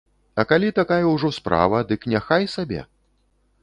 А калі такая ўжо справа, дык няхай сабе!